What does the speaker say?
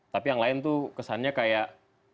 tapi yang lain tuh kesannya kayak